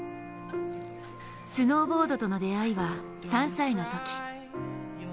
スノーボードとの出会いは３歳の時。